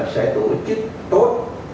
sẽ tổ chức tốt